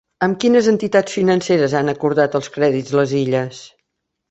Amb quines entitats financeres han acordat els crèdits les Illes?